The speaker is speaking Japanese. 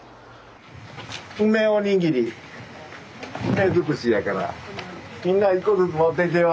梅おにぎり梅尽くしやからみんな１個ずつ持ってってよ。